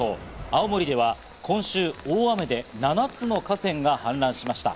青森では今週、大雨で７つの河川が氾濫しました。